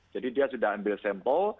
jadi dia sudah ambil sampel